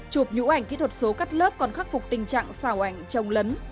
trục nhũa ảnh kỹ thuật số cắt lớp còn khắc phục tình trạng xảo ảnh trong lấn